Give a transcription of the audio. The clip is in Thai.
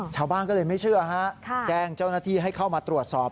ชาวบ้านก็เลยไม่เชื่อฮะแจ้งเจ้าหน้าที่ให้เข้ามาตรวจสอบ